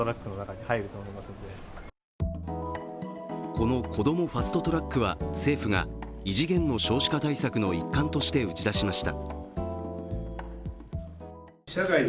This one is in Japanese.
このこどもファスト・トラックは政府が異次元の少子化対策の一環として打ち出しました。